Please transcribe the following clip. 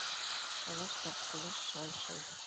Талаш, тартҡылаш, шау-шыу.